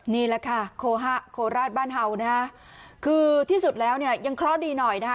นี่แหละค่ะโคราชบ้านเห่านะฮะคือที่สุดแล้วเนี่ยยังเคราะห์ดีหน่อยนะคะ